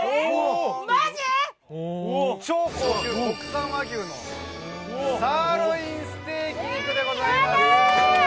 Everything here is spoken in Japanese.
超高級国産和牛のサーロインステーキ肉でございます